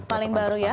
paling baru ya